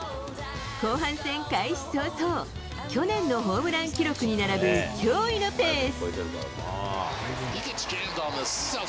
後半戦開始早々、去年のホームラン記録に並ぶ驚異のペース。